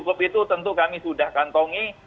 ya cukup itu tentu kami sudah kantongi